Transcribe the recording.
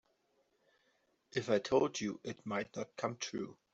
If I told you it might not come true.